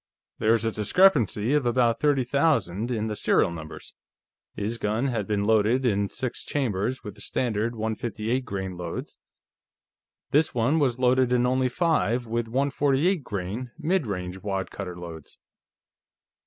There was a discrepancy of about thirty thousand in the serial numbers. His gun had been loaded in six chambers with the standard 158 grain loads; this one was loaded in only five, with 148 grain mid range wad cutter loads.